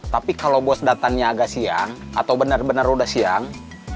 tapi kalau bos datangnya agak siang atau benar benar udah siang